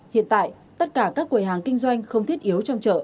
hiện tại tất cả các quầy hàng kinh doanh không thiết yếu trong chợ